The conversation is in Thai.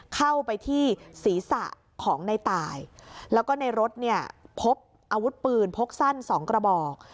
เข้าไปที่ศีรษะของในตายแล้วก็ในรถเนี่ยพบอาวุธปืนพกสั้นสองกระบอก